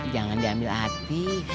jangan diambil hati